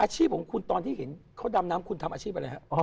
อาชีพของคุณตอนที่เห็นเขาดำน้ำคุณทำอาชีพอะไรฮะ